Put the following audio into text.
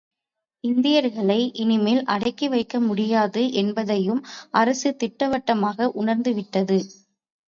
இந்தியர்களை இனிமேல் அடக்கி வைக்க முடியாது என்பதையும் அரசு திட்டவட்டமாக உணர்ந்து விட்டது.